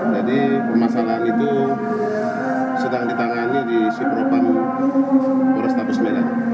jadi permasalahan itu sedang ditangani di sipropam polrestabes medan